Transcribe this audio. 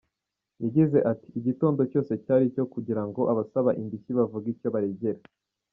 Yagize ati “Igitondo cyose cyari icyo kugira ngo abasaba indishyi bavuge icyo baregera.